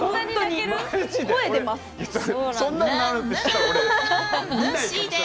声でます。